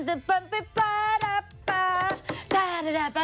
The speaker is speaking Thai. ปุ๊บปุ๊บป๊าป๊าป๊าปป๊าป๊าป๊าป๊าป๊า